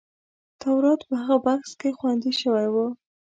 تورات په هغه بکس کې خوندي شوی و.